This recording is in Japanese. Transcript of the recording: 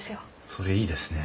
それいいですね。